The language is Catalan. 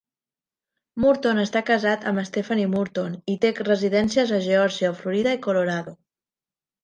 Murton està casat amb Stephanie Murton i té residències a Georgia, Florida i Colorado.